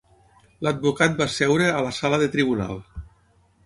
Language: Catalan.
L'advocat va seure a la sala de tribunal.